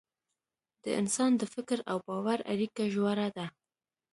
د انسان د فکر او باور اړیکه ژوره ده.